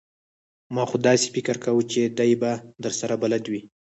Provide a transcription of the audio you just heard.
ما خو داسې فکر کاوه چې دی به درسره بلد وي!